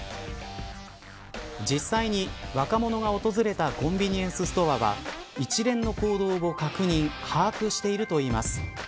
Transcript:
実際に、若者が訪れたコンビニエンスストアは一連の行動を確認把握しているといいます。